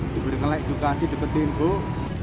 diberikan laik juga di depan timur